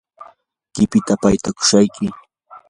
qipita paytakushayki.